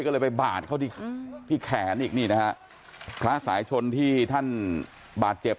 ก็เลยไปบาดเข้าที่ที่แขนอีกนี่นะฮะพระสายชนที่ท่านบาดเจ็บ